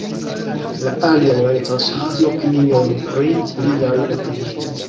La aliaj rajtas havi opiniojn pri liaj opinioj.